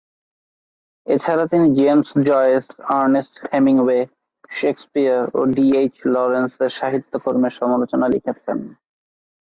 এছাড়া তিনি James Joyce, Ernest Hemingway, Shakespeare ও ডি এইচ লরেন্স এর সাহিত্যকর্মের সমালোচনা লিখেছেন।